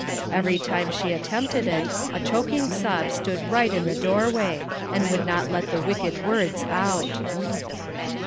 Every time she attempted it, a choking sob stood right in the doorway, and would not let the wicked words out.